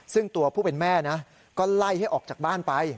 ซึ่งตัวผู้เป็นแม่นะก็ไล่ให้ออกจากบ้านไป